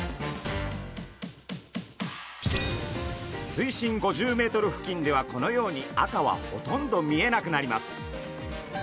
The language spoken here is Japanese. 水深５０ｍ付近ではこのように赤はほとんど見えなくなります。